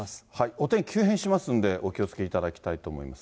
お天気、急変しますんで、お気をつけいただきたいと思います。